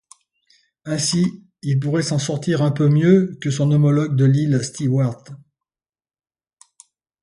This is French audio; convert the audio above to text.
Ainsi, il pourrait s'en sortir un peu mieux que son homologue de l'île Stewart.